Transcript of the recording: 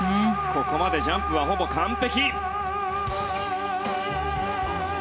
ここまでジャンプはほぼ完璧。